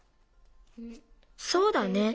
そうだね。